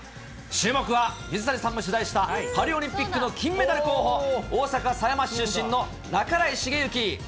注目は水谷さんも取材したパリオリンピックの金メダル候補、大阪狭山市出身の半井重幸。